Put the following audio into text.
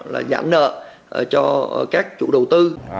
là giảm nợ cho các chủ đầu tư